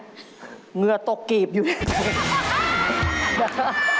เหงื่อตกกลีบอยู่เนี่ย